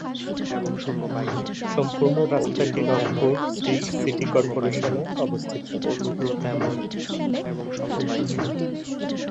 সম্পূর্ণ রাস্তাটি Rangpur city corporation এ অবস্থিত।